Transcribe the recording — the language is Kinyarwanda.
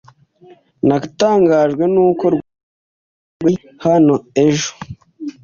Natangajwe nuko Rwema atari hano ejo.